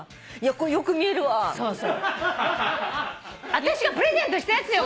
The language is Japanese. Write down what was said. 私がプレゼントしたやつよ